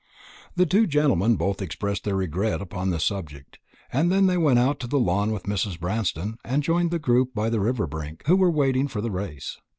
The two gentlemen both expressed their regret upon this subject; and then they went out to the lawn with Mrs. Branston, and joined the group by the river brink, who were waiting for the race.